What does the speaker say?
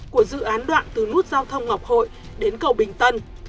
của dự án đoạn từ nút giao thông ngọc hội đến cầu bình tân